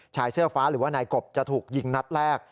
ชายเสื้อฟ้าหรือว่านายกบจะถูกยิงนัดแรก